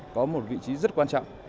có một vị trí rất quan trọng